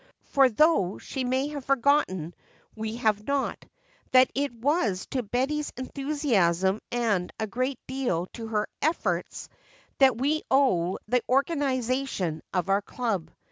For though she may have forgotten, we have not, that it was to Betty's enthusiasm and a great deal to her efforts that we owe the organization of our club."